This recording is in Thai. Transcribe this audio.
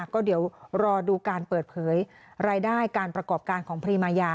ก็เดี๋ยวรอดูการเปิดเผยรายได้การประกอบการของพรีมายา